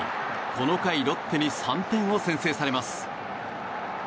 この回、ロッテに３点を先制されます。